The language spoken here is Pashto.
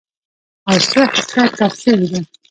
او څه حصه چاپ شوې ده